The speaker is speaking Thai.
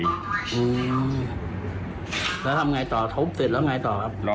ทำร่าง่ายต่อโทษเหรอ